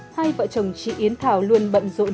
hai vợ chồng chị yến thảo luôn bận rộn